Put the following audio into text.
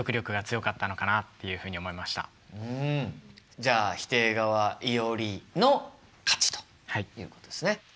じゃあ否定側いおりの勝ちということですね。